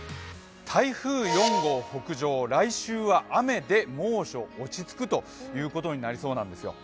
台風４号北上、来週は雨で猛暑落ち着くということになりそうなんですよ。